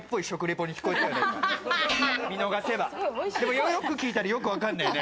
よく聞いたら、よくわかんないね。